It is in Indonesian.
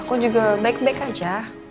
aku juga baik baik aja